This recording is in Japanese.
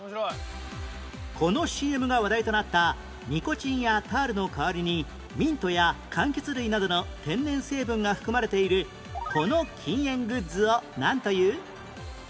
この ＣＭ が話題となったニコチンやタールの代わりにミントや柑橘類などの天然成分が含まれているこの禁煙グッズをなんという？